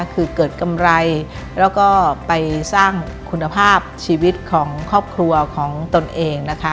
คือเกิดกำไรแล้วก็ไปสร้างคุณภาพชีวิตของครอบครัวของตนเองนะคะ